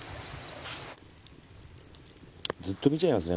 ずっと見ちゃいますね